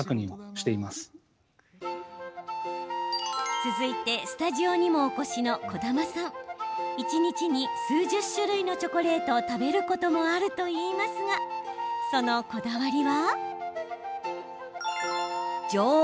続いて、スタジオにもお越しの児玉さん。一日に数十種類のチョコレートを食べることもあるといいますがそのこだわりは。